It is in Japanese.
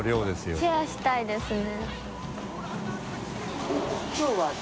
池田）シェアしたいですね。